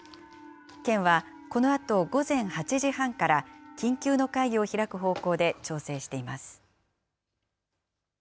県は、このあと午前８時半から、緊急の会議を開く方向で調整しています。